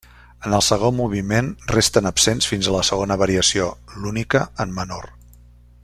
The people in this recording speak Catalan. En el segon moviment resten absents fins a la segona variació, l'única en menor.